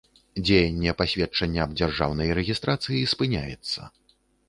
Дзеянне пасведчання аб дзяржаўнай рэгiстрацыi спыняецца.